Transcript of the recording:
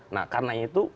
nah karena itu